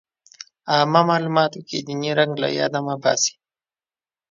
عامه معلوماتو کې ديني رنګ له ياده مه وباسئ.